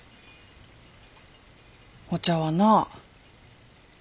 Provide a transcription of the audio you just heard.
お茶はなあ